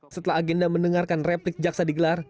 setelah agenda mendengarkan replik jaksa digelar